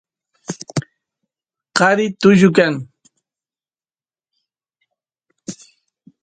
qari tullu kan